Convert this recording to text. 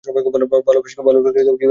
ভালবাসাকে কিভাবে ব্যাখ্যা করবি?